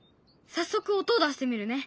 早速音を出してみるね。